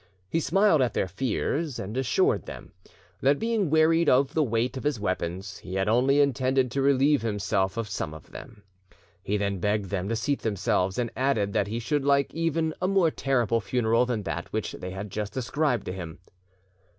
He smiled at their fears, and assured them that, being wearied of the weight of his weapons, he had only intended to relieve himself of some of them. He then begged them to seat themselves, and added that he should like even a more terrible funeral than that which they had just ascribed to him.